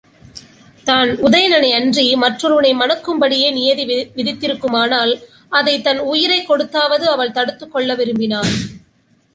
தான் உதயணனையன்றி மற்றொருவனை மணக்கும்படியே நியதி விதித்திருக்குமானால் அதைத் தன் உயிரைக் கொடுத்தாவது அவள் தடுத்துக்கொள்ள விரும்பினாள்.